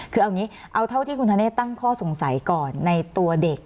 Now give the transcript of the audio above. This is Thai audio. คือเอางี้เอาเท่าที่คุณธเนธตั้งข้อสงสัยก่อนในตัวเด็ก